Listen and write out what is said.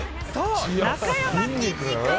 なかやまきんに君！